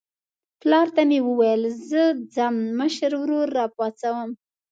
پلار ته مې وویل زه ځم مشر ورور راپاڅوم.